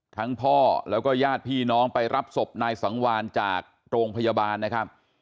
พ่อแล้วก็ญาติพี่น้องไปรับศพนายสังวานจากโรงพยาบาลนะครับ